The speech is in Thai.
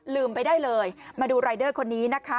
ไปได้เลยมาดูรายเดอร์คนนี้นะคะ